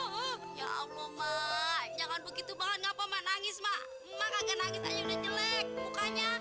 hai ya allah mah jangan begitu banget ngapa manang isma makanya nangis aja udah jelek mukanya